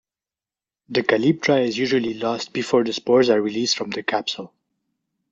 The calyptra is usually lost before the spores are released from the capsule.